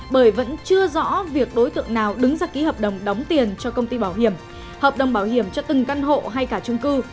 bởi vẫn chưa rõ việc đối tượng nào đứng ra ký hợp đồng đóng tiền cho công ty bảo hiểm hợp đồng bảo hiểm cho từng căn hộ hay cả trung cư